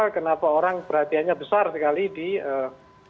kenapa orang perhatiannya besar sekali di perhelatan formula c